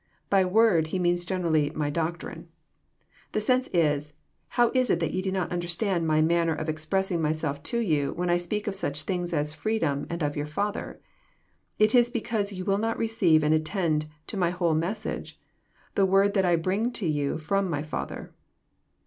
By "word," He means generally My doctrine. '*— The sense is, How is it that ye do not understand My manner of express ing Myself to you, when I speak of such things as freedom and of <your father' ? It is because ye will not receive and attend to My whole message, — the word that I bring to you from My Father."